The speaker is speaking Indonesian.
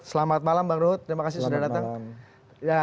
selamat malam bang ruhut terima kasih sudah datang